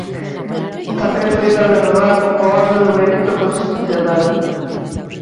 Tamén foi galardoado coa Orde do Mérito Constitucional.